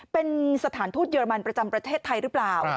เป็นสถานทูตเยอรมันประจำประเทศไทยหรือเปล่า